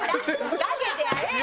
かけてやれよ！